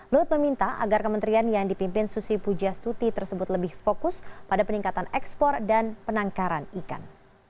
luhut meminta agar kementerian yang dipimpin susi pujastuti tersebut lebih fokus pada peningkatan ekspor dan penangkaran ikan